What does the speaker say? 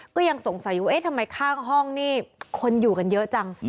ก็ยังสงสัยอยู่เอ๊ะทำไมข้างห้องนี่คนอยู่กันเยอะจัง